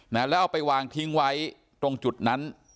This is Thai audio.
แล้วเอาไปวางทิ้งไว้ตรงจุดนั้น